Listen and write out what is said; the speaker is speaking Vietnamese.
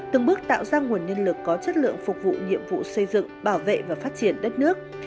từng bước tạo ra nguồn nhân lực có chất lượng phục vụ nhiệm vụ xây dựng bảo vệ và phát triển đất nước